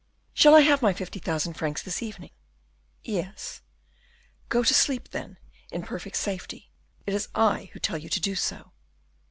"Shall I have my fifty thousand francs this evening?" "Yes." "Go to sleep, then, in perfect safety it is I who tell you to do so."